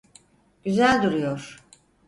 Güzel duruyor.